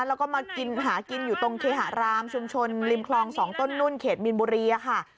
แล้วก็มากินหากินอยู่ตรงเคหารามชุมชนริมคลอง๒ต้นนุ่นเขตมีนบุรีค่ะ